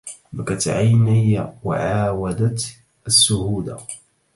بكت عيني وعاودت السهودا